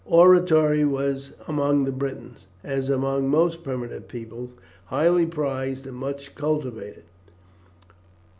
Oratory was among the Britons, as among most primitive tribes, highly prized and much cultivated.